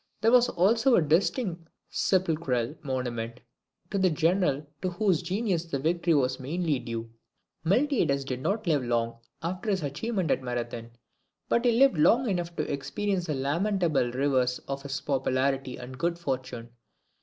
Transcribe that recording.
] There was also a distinct sepulchral monument to the general to whose genius the victory was mainly due. Miltiades did not live long after his achievement at Marathon, but he lived long enough to experience a lamentable reverse of his popularity and good fortune.